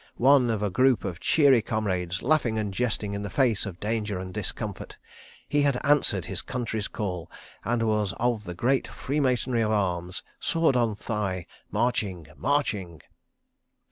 ... One of a group of cheery comrades, laughing and jesting in the face of danger and discomfort. ... He had Answered His Country's Call, and was of the great freemasonry of arms, sword on thigh, marching, marching.